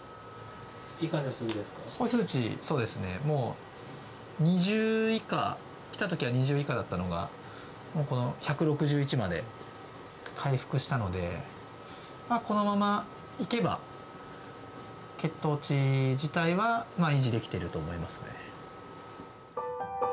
数値、そうですね、もう２０以下、来たときは２０以下だったのが、もうこの１６１まで回復したので、このままいけば、血糖値自体は維持できていると思いますね。